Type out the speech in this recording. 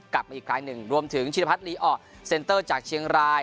กลับมาอีกครั้งหนึ่งรวมถึงชิรพัฒนลีออร์เซ็นเตอร์จากเชียงราย